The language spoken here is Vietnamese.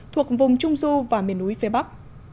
thuộc vùng trung du và miền núi phía bắc